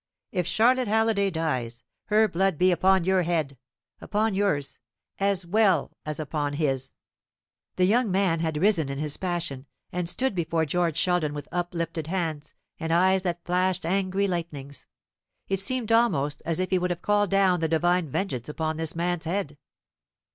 If Charlotte Halliday dies, her blood be upon your head upon yours as well as upon his!" The young man had risen in his passion, and stood before George Sheldon with uplifted hands, and eyes that flashed angry lightnings. It seemed almost as if he would have called down the Divine vengeance upon this man's head.